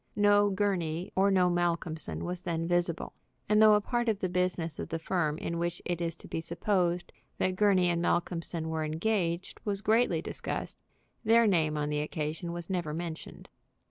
No Gurney or no Malcolmson was then visible; and though a part of the business of the firm in which it is to be supposed that Gurney & Malcolmson were engaged was greatly discussed, their name on the occasion was never mentioned.